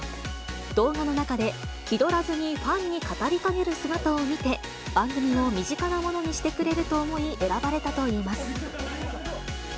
動画の中で、気取らずにファンに語りかける姿を見て、番組を身近なものにしてくれると思い、選ばれたといいます。